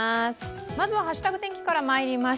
まずは「＃ハッシュタグ天気」からまいります。